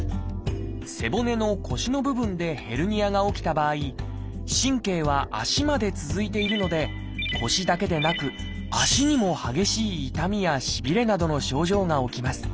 背骨の腰の部分でヘルニアが起きた場合神経は足まで続いているので腰だけでなく足にも激しい痛みやしびれなどの症状が起きます。